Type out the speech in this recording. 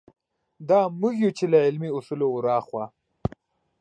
دا موږ یو چې له علمي اصولو وراخوا.